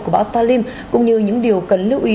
của bão ta lìm cũng như những điều cần lưu ý